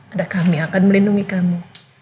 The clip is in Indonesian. ada kami akan melindungi kamu